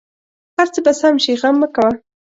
هر څه به سم شې غم مه کوه